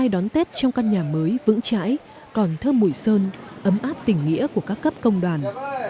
đón tết trong căn nhà mới vững chãi còn thơ mùi sơn ấm áp tình nghĩa của các cấp công đoàn